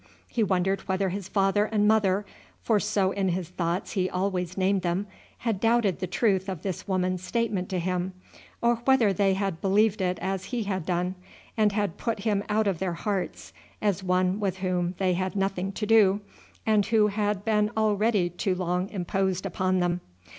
He wondered whether his father and mother for so in his thoughts he always named them had doubted the truth of this woman's statement to him, or whether they had believed it as he had done, and had put him out of their hearts as one with whom they had nothing to do, and who had been already too long imposed upon them.